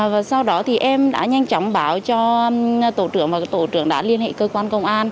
và sau đó thì em đã nhanh chóng báo cho tổ trưởng và tổ trưởng đã liên hệ cơ quan công an